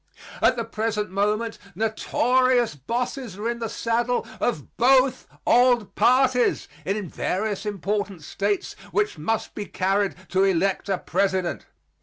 At the present moment notorious bosses are in the saddle of both old parties in various important States which must be carried to elect a President.